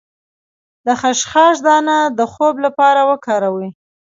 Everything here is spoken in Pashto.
د خشخاش دانه د خوب لپاره وکاروئ